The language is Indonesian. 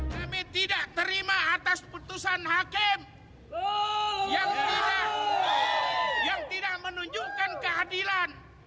kami tidak terima atas putusan hakim yang tidak menunjukkan keadilan